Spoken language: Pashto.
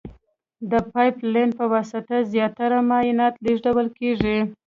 د پایپ لین په واسطه زیاتره مایعات لېږدول کیږي.